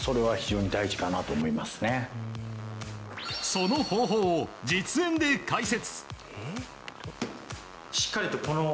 その方法を実演で解説。